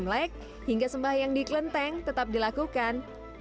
berburu jajanan khas imlek hingga sembah yang diklenteng tetap dilakukan